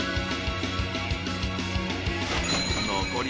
［残り］